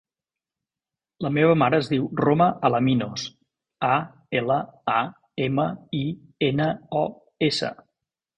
La meva mare es diu Roma Alaminos: a, ela, a, ema, i, ena, o, essa.